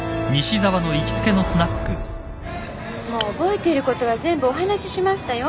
もう覚えてることは全部お話ししましたよ。